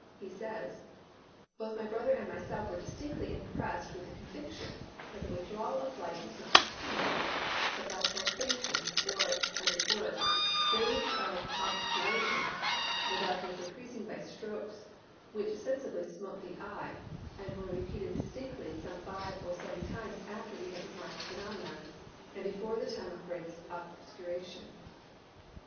He says:—"Both my brother and myself were distinctly impressed with the conviction that the withdrawal of light was not continuous, but by pulsations, or, as it were, waves of obscuration, the darkness increasing by strokes which sensibly smote the eye, and were repeated distinctly some five or seven times after we had remarked the phenomenon and before the time of greatest obscuration.